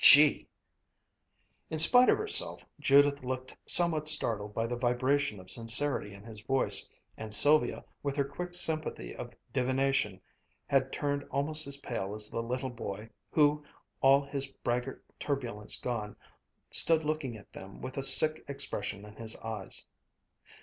Gee!" In spite of herself Judith looked somewhat startled by the vibration of sincerity in his voice, and Sylvia, with her quick sympathy of divination, had turned almost as pale as the little boy, who, all his braggart turbulence gone, stood looking at them with a sick expression in his eyes.